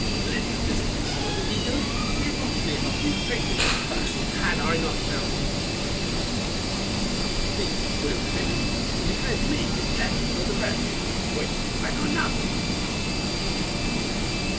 But instead, what does he do? He robs me of a few trinkets that, had I not found them, the sea would have swallowed or some thief would have taken, and declares me his debtor for the rest, of which I know nothing."